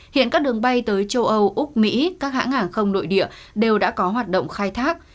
hiện các đường bay tới châu âu úc mỹ các hãng hàng không nội địa đều đã có hoạt động khai thác